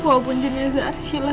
walaupun jenisnya arsila